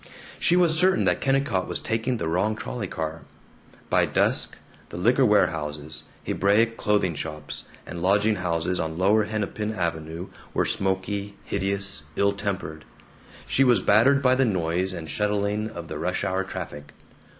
She was certain that Kennicott was taking the wrong trolley car. By dusk, the liquor warehouses, Hebraic clothing shops, and lodging houses on lower Hennepin Avenue were smoky, hideous, ill tempered. She was battered by the noise and shuttling of the rush hour traffic.